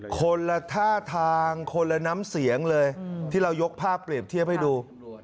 คนละท่าทางคนละน้ำเสียงเลยที่เรายกภาพเปรียบเทียบให้ดู